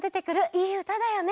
いいうただよね。